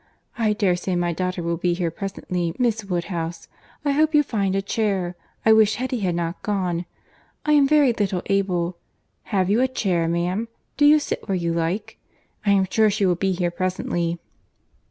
I dare say my daughter will be here presently, Miss Woodhouse. I hope you find a chair. I wish Hetty had not gone. I am very little able—Have you a chair, ma'am? Do you sit where you like? I am sure she will be here presently."